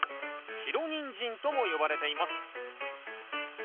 白ニンジンとも呼ばれています。